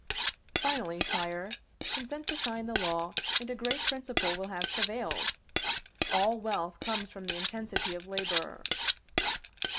Finally, Sire, consent to sign the law, and a great principle will have prevailed: _All wealth comes from the intensity of labor.